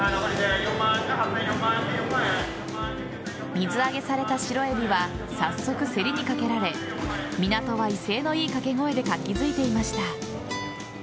水揚げされたシロエビは早速、競りにかけられ港は威勢のいい掛け声で活気づいていました。